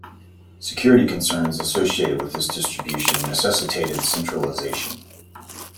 Security concerns associated with this distribution necessitated centralization.